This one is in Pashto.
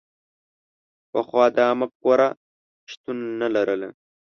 پخوا دا مفکوره شتون نه لرله.